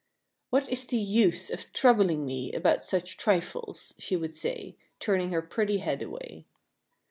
" What is the use of troubling me about such trifles? " she would say, turning her pretty head away.